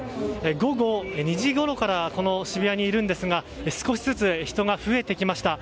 午後２時ごろからこの渋谷にいるんですが少しずつ人が増えてきました。